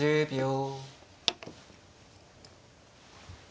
１０秒。